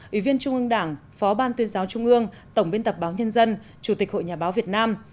ủy viên trung ương đảng phó ban tuyên giáo trung ương tổng biên tập báo nhân dân chủ tịch hội nhà báo việt nam